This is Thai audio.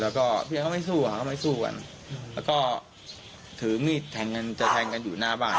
แล้วก็พี่เขาไม่สู้อ่ะเขาไม่สู้กันแล้วก็ถือมีดแทงกันจะแทงกันอยู่หน้าบ้าน